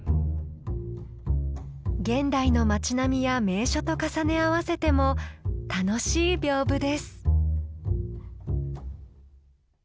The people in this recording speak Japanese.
現代の町並みや名所と重ね合わせても楽しい屏風です。